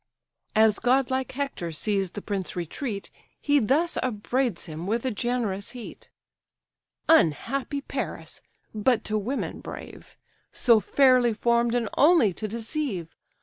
As godlike Hector sees the prince retreat, He thus upbraids him with a generous heat: "Unhappy Paris! but to women brave! So fairly form'd, and only to deceive!